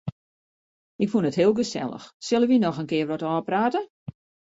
Ik fûn it heel gesellich, sille wy noch in kear wat ôfprate?